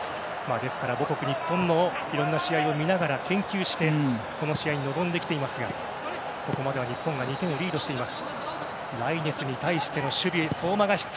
ですから母国・日本のいろんな試合を見ながら研究してこの試合に臨んできていますがここまでは日本が２点をリードしています。